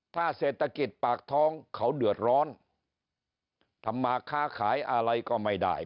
ถ้าเศรษฐกิจปากท้องเขาเดือดร้อนทำมาค้าขายอะไรก็ไม่ได้